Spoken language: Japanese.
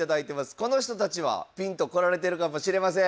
この人たちはピンと来られてるかもしれません。